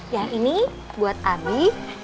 yang ini buat abi